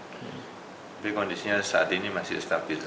tapi kondisinya saat ini masih stabil